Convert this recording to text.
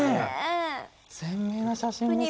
鮮明な写真ですね。